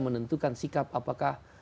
menentukan sikap apakah